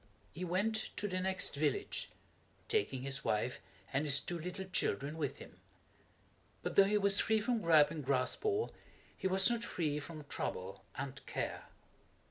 He went to the next village, taking his wife and his two little children with him. But though he was free from Gripe and Graspall he was not free from trouble and care.